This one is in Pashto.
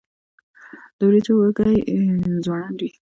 د وریجو وږی ځوړند وي.